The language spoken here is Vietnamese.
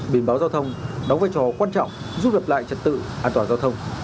biển báo giao thông đóng vai trò quan trọng giúp lập lại trật tự an toàn giao thông